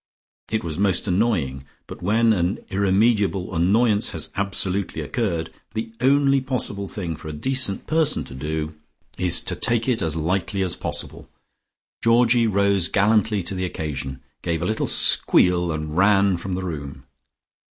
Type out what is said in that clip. It was most annoying, but when an irremediable annoyance has absolutely occurred, the only possible thing for a decent person to do is to take it as lightly as possible. Georgie rose gallantly to the occasion, gave a little squeal and ran from the room.